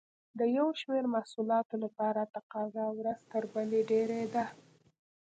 د یو شمېر محصولاتو لپاره تقاضا ورځ تر بلې ډېرېده.